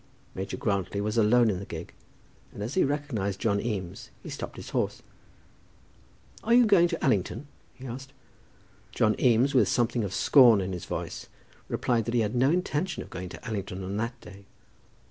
Major Grantly was alone in the gig, and as he recognized John Eames he stopped his horse. "Are you also going to Allington?" he asked. John Eames, with something of scorn in his voice, replied that he had no intention of going to Allington on that day.